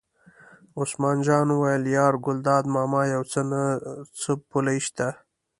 عثمان جان وویل: یار ګلداد ماما یو څه نه څه پولې شته.